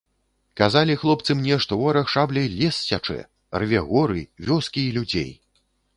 Казалі хлопцы мне, што вораг шабляй лес сячэ, рве горы, вёскі і людзей.